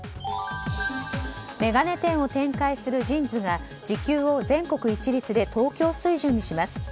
眼鏡店を展開するＪＩＮＳが自給を全国一律で東京水準にします。